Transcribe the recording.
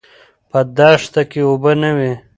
په دښته کې اوبه نه وې.